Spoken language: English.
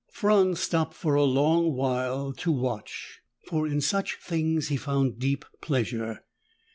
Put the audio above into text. Franz stopped for a long while to watch, for in such things he found deep pleasure.